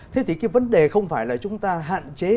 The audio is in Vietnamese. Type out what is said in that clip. thế thì cái vấn đề không phải là chúng ta hạn chế